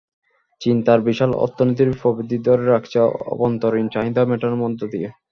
চীন তার বিশাল অর্থনীতির প্রবৃদ্ধি ধরে রাখছে অভ্যন্তরীণ চাহিদা মেটানোর মধ্য দিয়ে।